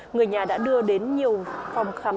người nhà đã đưa đến nhiều phòng khám